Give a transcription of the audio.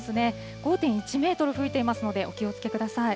５．１メートル吹いていますので、お気をつけください。